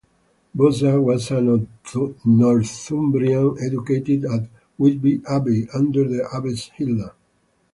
Bosa was a Northumbrian, educated at Whitby Abbey under the abbess Hilda.